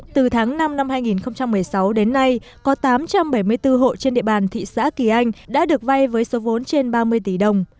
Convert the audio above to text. từ tháng năm năm hai nghìn một mươi sáu đến nay có tám trăm bảy mươi bốn hộ trên địa bàn thị xã kỳ anh đã được vay với số vốn trên ba mươi tỷ đồng